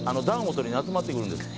とりに集まってくるんです。